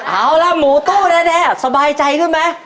เอาละหมูตู้แล้วแดดแดดสบายใจขึ้นมั้ย